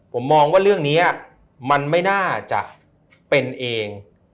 ผมมองว่าเรื่องนี้มันไม่น่าจะเป็นเอง